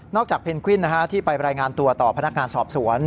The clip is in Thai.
จากเพนกวินที่ไปรายงานตัวต่อพนักงานสอบสวน